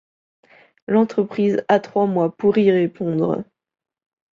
L'entreprise a trois mois pour y répondre.